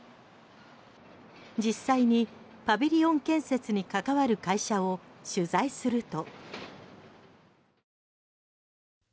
実際にパビリオン建設に関わる会社を取材すると。